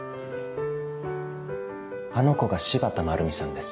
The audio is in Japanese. あの子が柴田まるみさんです。